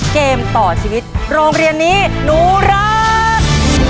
เกมต่อชีวิตโรงเรียนนี้หนูรัก